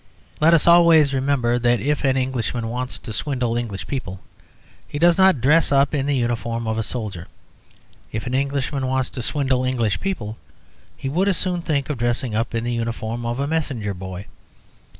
Let us always remember that if an Englishman wants to swindle English people, he does not dress up in the uniform of a soldier. If an Englishman wants to swindle English people he would as soon think of dressing up in the uniform of a messenger boy.